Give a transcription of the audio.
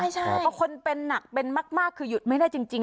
เพราะคนเป็นหนักเป็นมากคือหยุดไม่ได้จริง